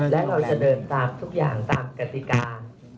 และเราจะเดินตามทุกอย่างตามกติกา